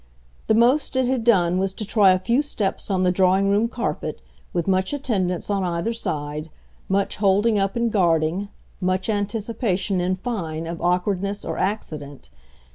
The most it had done was to try a few steps on the drawing room carpet, with much attendance, on either side, much holding up and guarding, much anticipation, in fine, of awkwardness or accident.